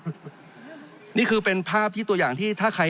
จริงโครงการนี้มันเป็นภาพสะท้อนของรัฐบาลชุดนี้ได้เลยนะครับ